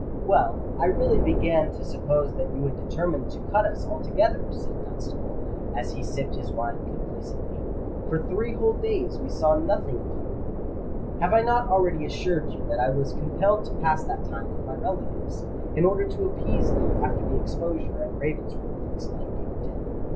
"Well, I really began to suppose that you had determined to cut us altogether," said Dunstable, as he sipped his wine complacently. "For three whole days we saw nothing of you——" "Have I not already assured you that I was compelled to pass that time with my relatives, in order to appease them after the exposure at Ravensworth?" exclaimed Egerton.